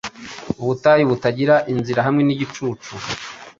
Ubutayu butagira inzira, hamwe nigicucu